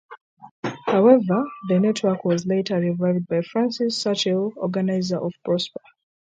However the network was later revived by Francis Suttill, organiser of Prosper.